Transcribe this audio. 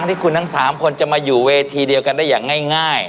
แล้วพอสิ้งโน้งทั้งสามคนจะมาอยู่เวทีเดียวกันได้อย่างง่าย